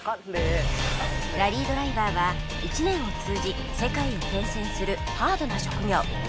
ラリードライバーは１年を通じ世界を転戦するハードな職業